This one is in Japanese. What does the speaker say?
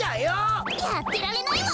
やってられないわ！